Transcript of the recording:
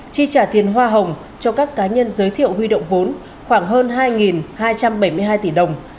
chi trả tiền hoa hồng cho các cá nhân giới thiệu huy động vốn khoảng hơn hai hai trăm bảy mươi hai tỷ đồng